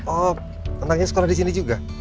oh tenangnya sekolah di sini juga